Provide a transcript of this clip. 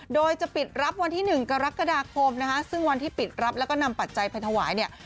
โดยจะปิดรับวันที่๑กรกฎาคมซึ่งวันที่ปิดรับและนำปัจจัยไปถวาย